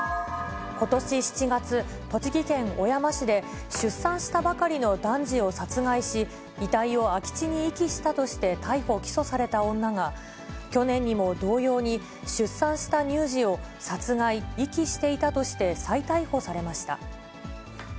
ことし７月、栃木県小山市で、出産したばかりの男児を殺害し、遺体を空き地に遺棄したとして逮捕・起訴された女が、去年にも同様に出産した乳児を殺害・遺棄していたとして再逮捕されました。